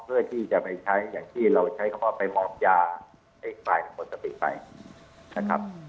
เพื่อที่จะไปใช้อย่างที่เราใช้เข้าไปหมอบยาในสถานปกติไปนะครับ